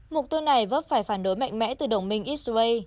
mục tiêu này vấp phải phản đối mạnh mẽ từ đồng minh israel